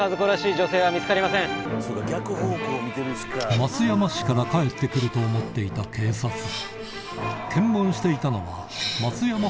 松山市から帰って来ると思っていた警察ハァ。